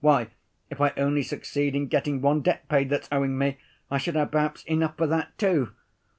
Why, if I only succeed in getting one debt paid that's owing me, I should have perhaps enough for that too!"